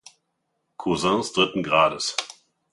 Cousins dritten Grades.